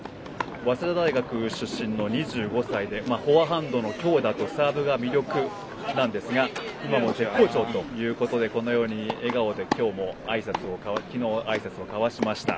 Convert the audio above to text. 早稲田大学出身の２５歳でフォアハンドの強打とサーブが魅力なんですが今、絶好調ということで笑顔で昨日もあいさつを交わしました。